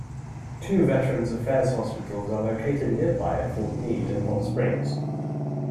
Two Veterans Affairs hospitals are located nearby at Fort Meade, and Hot Springs.